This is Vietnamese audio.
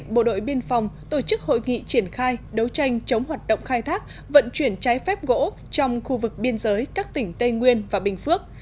bộ đội biên phòng tổ chức hội nghị triển khai đấu tranh chống hoạt động khai thác vận chuyển trái phép gỗ trong khu vực biên giới các tỉnh tây nguyên và bình phước